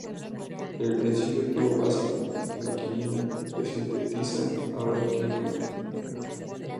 El principio activo básico, la quinina, se sintetiza ahora químicamente.